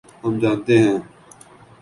ہم جانتے ہیں۔